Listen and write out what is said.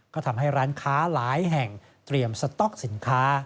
ก็ทำให้ร้านค้าหลายแห่งเตรียมสต๊อกสินค้า